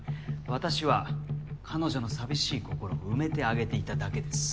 私は彼女の寂しい心を埋めてあげていただけです。